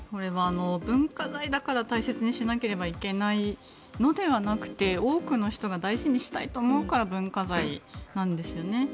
文化財だから大切にしなければいけないのではなくて多くの人が大事にしたいと思うから文化財なんですよね。